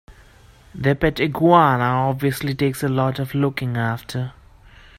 Their pet iguana obviously takes a lot of looking after.